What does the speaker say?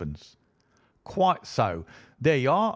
'" "Quite so. There you are.